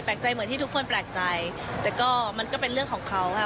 เหมือนที่ทุกคนแปลกใจแต่ก็มันก็เป็นเรื่องของเขาค่ะ